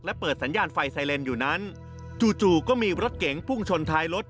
และเปิดสัญญาณไฟไซเลนอยู่นั้นจู่ก็มีรถเก๋งพุ่งชนท้ายรถ